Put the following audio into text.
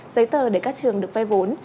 giấy tờ để các trường được vay vốn